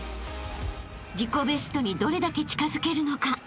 ［自己ベストにどれだけ近づけるのか］